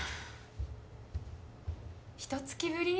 ・ひと月ぶり？